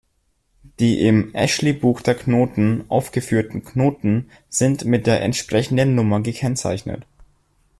Die im "Ashley-Buch der Knoten" aufgeführten Knoten sind mit der entsprechenden Nummer gekennzeichnet.